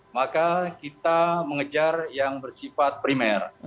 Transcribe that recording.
maka kita mengejar yang bersifat primer